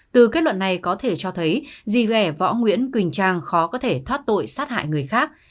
từ kết luận này có thể cho thấy gì ghẻ võ nguyễn quỳnh trang khó có thể thoát tội sát hại người khác